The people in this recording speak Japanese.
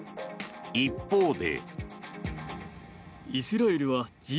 一方で。